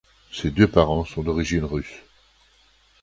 Ses deux parents sont d'origine russe.